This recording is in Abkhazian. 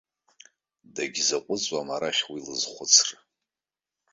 Дагьзаҟәыҵуам арахь уи лызхәыцра.